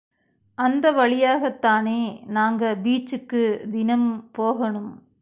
அந்த வழியாகத்தானே நாங்க பீச்கக்குத் தினமும் போகணும்!